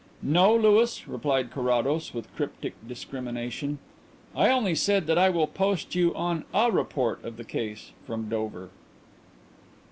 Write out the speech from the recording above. "No, Louis," replied Carrados, with cryptic discrimination. "I only said that I will post you on a report of the case from Dover."